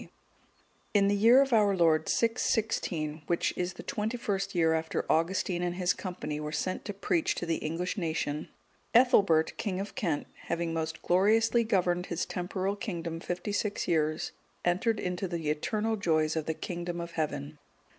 D.] In the year of our Lord 616, which is the twenty first year after Augustine and his company were sent to preach to the English nation, Ethelbert, king of Kent, having most gloriously governed his temporal kingdom fifty six years, entered into the eternal joys of the kingdom of Heaven.